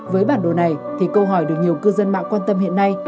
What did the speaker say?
với bản đồ này thì câu hỏi được nhiều cư dân mạng quan tâm hiện nay